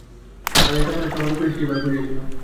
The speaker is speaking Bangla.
আমি একা মানুষ, আমার উপরেই সেই ভার পড়িয়াছিল।